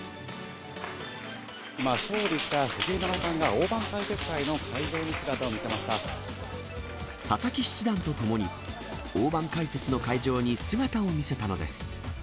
勝利した藤井七冠が大盤解説佐々木七段と共に、大盤解説の会場に姿を見せたのです。